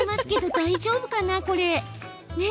大丈夫かな？